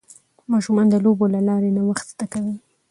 ماشومان د لوبو له لارې نوښت زده کوي.